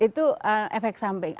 itu efek samping